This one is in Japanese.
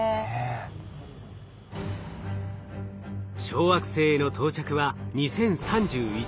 小惑星への到着は２０３１年。